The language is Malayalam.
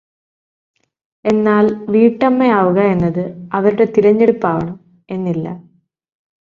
എന്നാൽ വീട്ടമ്മയാവുക എന്നത് അവരുടെ തിരഞ്ഞെടുപ്പാവണം എന്നില്ല.